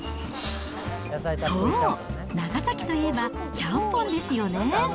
そう、長崎といえば、ちゃんぽんですよね。